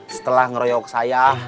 setelah ngeroyok saya